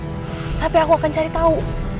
tapi aku akan cari tahu